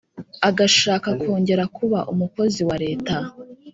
agashaka kongera kuba umukozi wa leta,